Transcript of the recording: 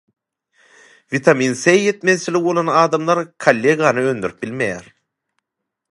Witamin C ýetmezçiligi bolan adamlar kollageni öndürüp bilmeýär.